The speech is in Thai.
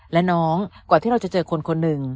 และน้องก่อนที่จะเจอคนคนหนึ่ง